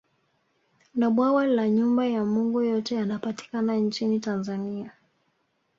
Na Bwawa la Nyumba ya Mungu yote yanapatikana nchini Tanzania